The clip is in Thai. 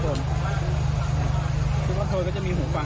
ตัวนี้มันสามารถจับแรงสังเกิดได้มากน้อยแค่ไหน